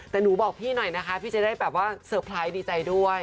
แต่หนูบอกพี่หน่อยนะคะพี่จะได้แบบว่าเซอร์ไพรส์ดีใจด้วย